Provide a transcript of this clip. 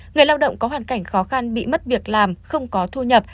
người lao động có hoàn cảnh khó khăn bị mất việc làm không có thu nhập